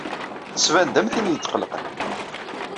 Tettban-d am tin yetqellqen.